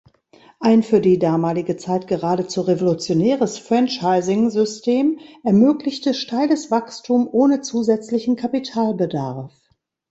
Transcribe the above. Ein für die damalige Zeit geradezu revolutionäres Franchising-System ermöglichte steiles Wachstum ohne zusätzlichen Kapitalbedarf.